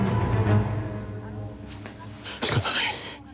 仕方ない。